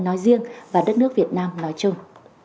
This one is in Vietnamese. nói riêng và đất nước việt nam nói chung